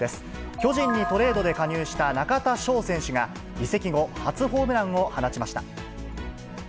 巨人にトレードで加入した中田翔選手が、移籍後、初ホームランを放ちました。